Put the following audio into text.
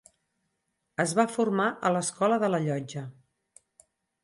Es va formar a l'Escola de la Llotja.